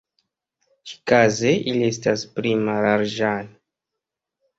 Ĉikaze, ili estas pli mallarĝaj.